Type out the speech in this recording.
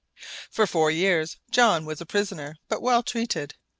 For four years John was a prisoner, but well treated.